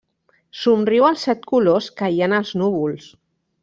Somriu als set colors que hi ha en els núvols.